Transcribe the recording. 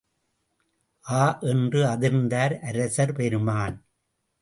ஆ! என்று அதிர்ந்தார், அரசர் பெருமான்!